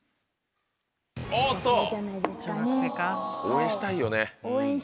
応援したいよね。